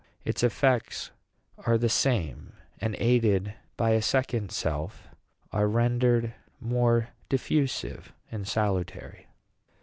Its effects are the same, and, aided by a second self, are rendered more diffusive and salutary."